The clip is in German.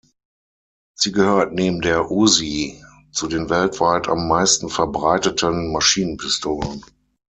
Sie gehört neben der Uzi zu den weltweit am meisten verbreiteten Maschinenpistolen.